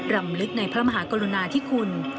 รำลึกในพระมหากรุณาธิคุณ